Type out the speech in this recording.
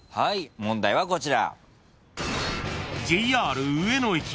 問題はこちら。